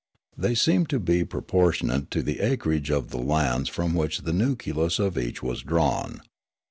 They seemed to be proportionate to the acreage of the lands from which the nucleus of each was drawn.